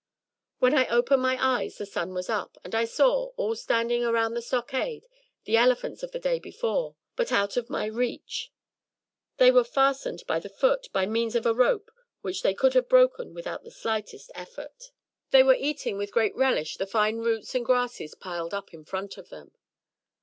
When I opened my eyes the sun was up, and I saw, all standing around the stockade, the elephants of the day before — ^but out of MY BOOK HOUSE my reach! They were fastened by the foot, by means of a rope which they could have broken without the slightest effort. They were eating with great relish the fine roots and grasses piled up in front of them.